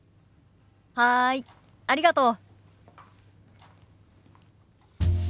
はいありがとう。